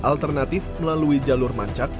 alternatif melalui jalur mancak